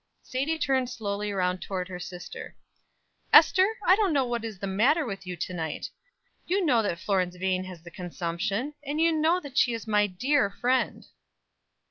Sadie turned slowly around toward her sister. "Ester, I don't know what is the matter with you to night. You know that Florence Vane has the consumption, and you know that she is my dear friend."